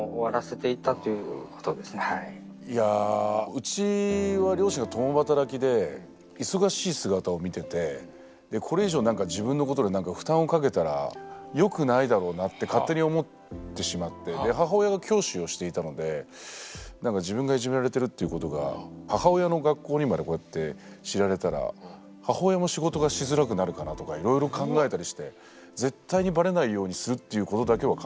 うちは両親が共働きで忙しい姿を見ててこれ以上なんか自分のことでなんか負担をかけたら良くないだろうなって勝手に思ってしまってで母親が教師をしていたのでなんか自分がいじめられてるっていうことが母親の学校にまでこうやって知られたら母親も仕事がしづらくなるかなとかいろいろ考えたりして絶対にばれないようにするっていうことだけは考えてた。